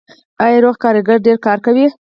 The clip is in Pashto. آیا روغ کارګر ډیر کار کوي؟